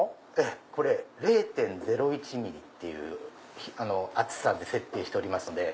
これ０．０１ｍｍっていう厚さで設定しております。